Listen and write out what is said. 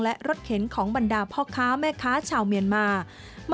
และรถเข็นของบรรดาพ่อค้าแม่ค้าชาวเมียนมา